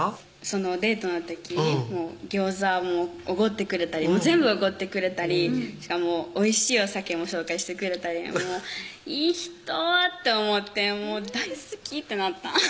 そのデートの時餃子もおごってくれたり全部おごってくれたりしかもおいしいお酒も紹介してくれたりいい人と思って大好きってなった